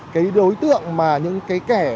cái đối tượng mà những cái kẻ